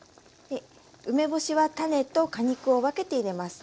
梅干しは種と果肉を分けて入れます。